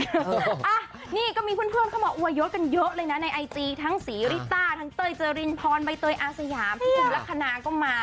อ่ะนี่ก็มีเพื่อนเข้ามาอวยยศกันเยอะเลยนะในไอจีทั้งศรีริต้าทั้งเต้ยเจรินพรใบเตยอาสยามพี่หนุ่มลักษณะก็มา